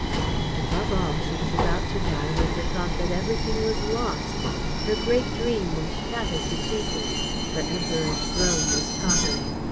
And above all she was about to die with the thought that everything was lost. Her great dream was shattered to pieces. Her Emperor's throne was tottering.